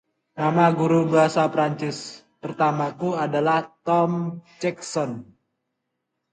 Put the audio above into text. Nama guru bahasa Prancis pertamaku adalah Tom Jackson.